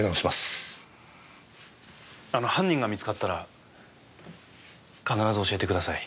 あの犯人が見つかったら必ず教えてください。